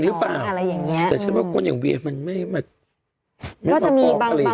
จริงหรือเปล่าแต่ฉันว่าคนอย่างเบียบมันไม่มาฟ้องอะไรอย่างนี้หรอก